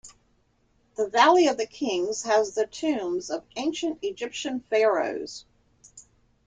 The valley of the kings has the tombs of ancient Egyptian pharaohs.